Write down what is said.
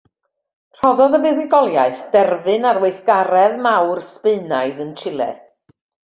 Rhoddodd y fuddugoliaeth derfyn ar weithgaredd mawr Sbaenaidd yn Chile.